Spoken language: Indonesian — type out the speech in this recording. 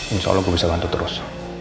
insya allah gue bisa bantu terus